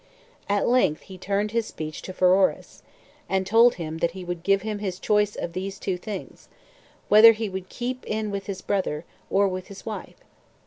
At length he turned his speech to Pheroras, and told him that he would give him his choice of these two things: Whether he would keep in with his brother, or with his wife?